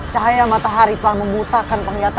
kenapa saya tidak bisa melihatnya